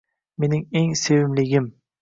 Mening eng sevimligim?